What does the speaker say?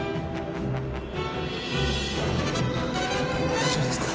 大丈夫ですか？